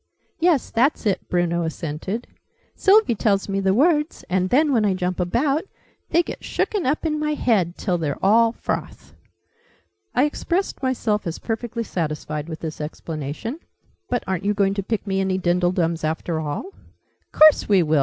"Yes, that's it," Bruno assented. "Sylvie tells me the words, and then, when I jump about, they get shooken up in my head till they're all froth!" I expressed myself as perfectly satisfied with this explanation. "But aren't you going to pick me any dindledums, after all?" "Course we will!"